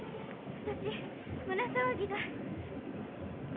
私胸騒ぎが。